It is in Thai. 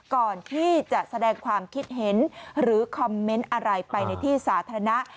ก่อนที่จะแสดงความคิดเห็นหรือคอมเมนต์อะไรไปในที่สาธารณะ